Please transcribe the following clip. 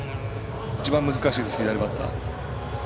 一番難しいです、左バッター。